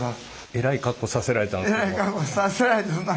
えらい格好させられたそんな。